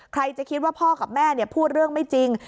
ใครจะคิดว่าพ่อกับแม่พูดเรื่องไม่จริง